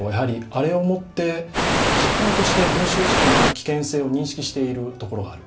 あれをもって実感として群集事故の危険性を認識しているところがある。